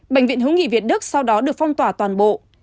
bệnh viện hữu nghị việt đức sau đó được phong tỏa toàn bộ